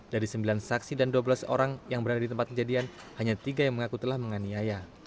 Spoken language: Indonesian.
dari sembilan saksi dan dua belas orang yang berada di tempat kejadian hanya tiga yang mengaku telah menganiaya